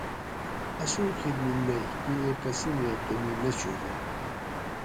اسوں خدمِت مئ کئ قسمیں کمی نہ چھوری